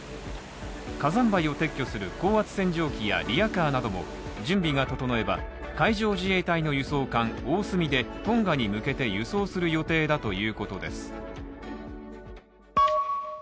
火山灰を撤去する高圧洗浄機やリヤカーなども準備が整えば、海上自衛隊の輸送艦「おおすみ」で、トンガに向けて輸送する予定だということです。